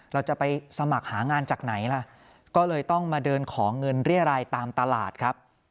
เราจะไปสมัครหางานจากไหนล่ะก็เลยต้องมาเดินขอเงินเรียรายตามตลาดครับ